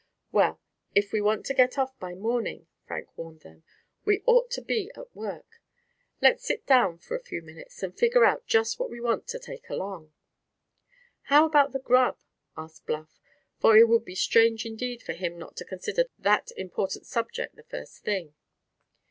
"Well, if we want to get off by morning," Frank warned them, "we ought to be at work. Let's sit down for a few minutes and figure out just what we want to take along." "How about the grub?" asked Bluff; for it would be strange indeed for him not to consider that important subject the first thing.